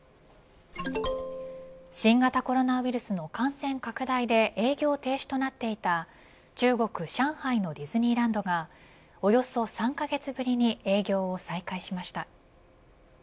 新型コロナウイルスの感染拡大で営業停止となっていた中国、上海のディズニーランドがおよそ３カ月ぶりに営業を再開しました。